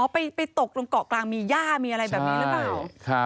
ไปตกตรงเกาะกลางมีย่ามีอะไรแบบนี้หรือเปล่า